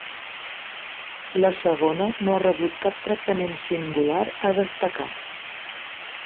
La segona no ha rebut cap tractament singular a destacar.